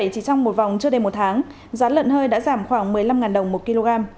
trước một tháng giá lợn hơi đã giảm khoảng một mươi năm đồng một kg